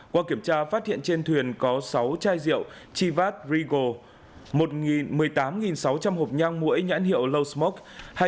qua kiểm tra phát hiện trên thuyền có sáu chai rượu chivat regal một mươi tám sáu trăm linh hộp nhang muỗi nhãn hiệu low smoke